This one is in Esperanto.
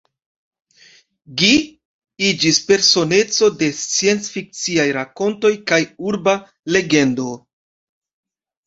Gi iĝis personeco de scienc-fikciaj rakontoj kaj urba legendo.